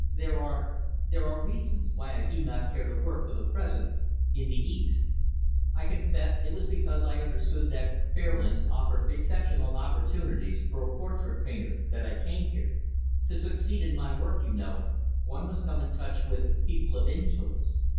"There are there are reasons why I do not care to work, for the present, in the East. I confess it was because I understood that Fairlands offered exceptional opportunities for a portrait painter that I came here. To succeed in my work, you know, one must come in touch with people of influence.